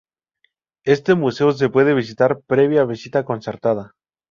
Este museo se puede visitar previa visita concertada.